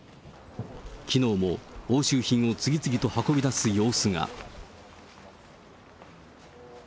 きのうも押収品を次々と運び出す様子が。